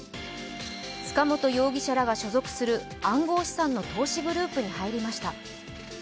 塚本容疑者らが所属する暗号資産の投資グループに入りました。